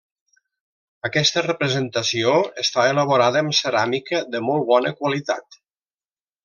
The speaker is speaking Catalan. Aquesta representació està elaborada amb ceràmica de molt bona qualitat.